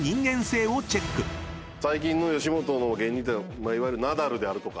最近の吉本の芸人っていうのはいわゆるナダルであるとか。